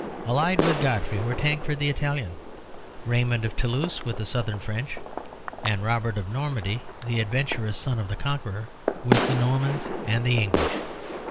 Allied with Godfrey were Tancred the Italian, Raymond of Toulouse with the southern French and Robert of Normandy, the adventurous son of the Conqueror, with the Normans and the English.